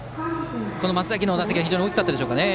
松崎の打席は非常に大きかったでしょうか。